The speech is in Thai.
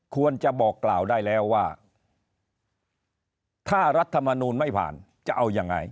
ควรจะบอกกล่าวได้แล้วว่าถ้ารัฐมนูลไม่ผ่านจะเอายังไง